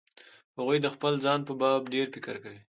هغوی د خپل ځان په باب ډېر فکر کوي.